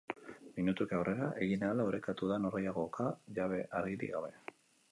Minutuek aurrera egin ahala orekatu da norgehiagoka, jabe argirik gabe.